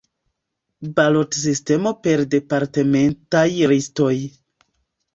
Balotsistemo per departementaj listoj.